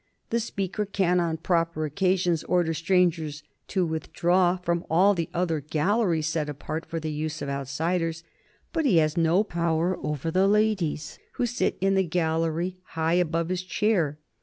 The Speaker can, on proper occasions, order strangers "to withdraw" from all the other galleries set apart for the use of outsiders, but he has no power over the ladies who sit in the gallery high above his chair.